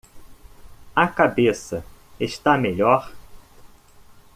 A cabeça está melhor?